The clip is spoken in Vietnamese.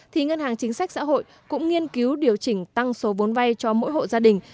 thì ngân hàng chính sách xã hội cũng nghiên cứu điều chỉnh tăng số vốn vay cho mỗi hộ gia đình